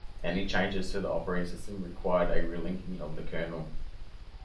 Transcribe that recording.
Any change to the operating system required a re-linking of the kernel.